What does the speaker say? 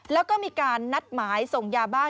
แล้วก็มีการนัดหมายส่งยาบ้า